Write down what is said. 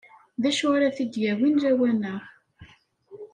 D acu ara t-id-yawin lawan-a?